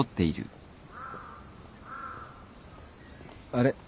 あれ？